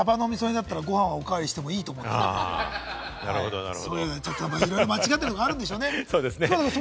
サバの味噌煮だったらご飯おかわりしていいと思ってるんで、いろいろ間違ってるところ、あるんでしょうね。